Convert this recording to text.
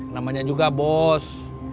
namanya juga bos